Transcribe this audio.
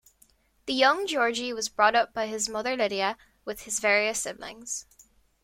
The young Georgi was brought up by his mother Lydia, with his various siblings.